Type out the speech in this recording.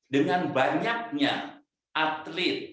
dengan banyaknya atlet